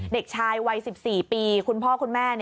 เด็กชายวัย๑๔ปีคุณพ่อคุณแม่